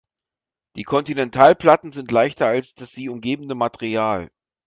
Die Kontinentalplatten sind leichter als das sie umgebende Material.